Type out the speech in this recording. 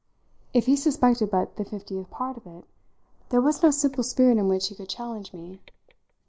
If he suspected but the fiftieth part of it there was no simple spirit in which he could challenge me.